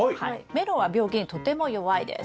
メロンは病気にとても弱いです。